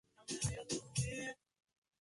Es originaria del sur de Europa y Norte de África.